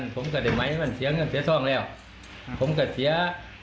พวกผมก็ให้ไหมมันเสียท้องแล้วผมก็เสีย